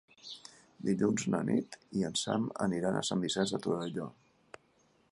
Dilluns na Nit i en Sam aniran a Sant Vicenç de Torelló.